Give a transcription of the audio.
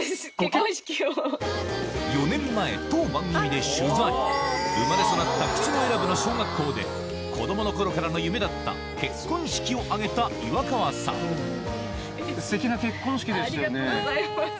４年前当番組で取材生まれ育った口永良部の小学校で子供の頃からの夢だった結婚式を挙げた岩川さんありがとうございます。